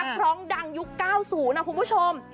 ร้องดังยุค๙๐นะคุณผู้ชม